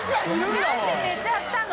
何で寝ちゃったの？